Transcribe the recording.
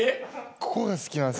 ここが好きなんです